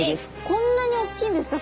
こんなにおっきいんですか？